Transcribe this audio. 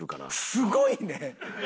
すごいね！